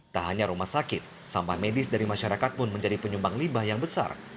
tak hanya rumah sakit sampah medis dari masyarakat pun menjadi penyumbang limbah yang besar